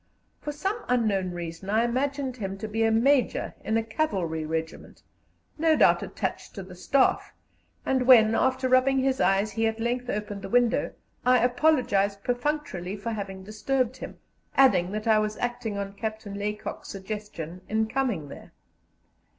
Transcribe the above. For some unknown reason I imagined him to be a Major in a cavalry regiment, no doubt attached to the Staff, and when, after rubbing his eyes, he at length opened the window, I apologized perfunctorily for having disturbed him, adding that I was acting on Captain Laycock's suggestion in coming there.